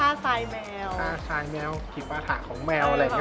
ท่าทรายแมวท่าทรายแมวผีประถาของแมวอะไรอย่างเงี้ย